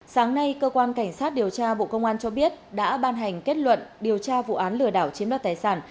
sáng nay cơ quan cảnh sát điều tra bộ công an cho biết đã ban hành kết luận điều tra vụ án lừa đảo chiếm đoạt tài sản